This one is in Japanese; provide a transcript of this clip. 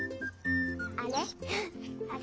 あれ？